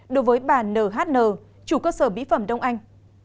đối với bà nhn chủ cơ sở mỹ phẩm đông anh